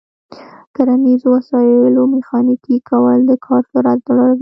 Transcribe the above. د کرنیزو وسایلو میخانیکي کول د کار سرعت لوړوي.